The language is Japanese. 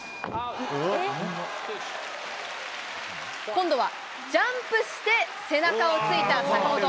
今度はジャンプして背中を突いた坂本。